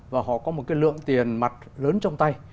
và họ có một cái lượng tiền mặt lớn trong tay